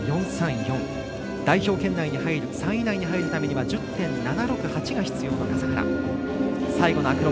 代表圏内３位以内に入るためには１０．７６８が必要の笠原。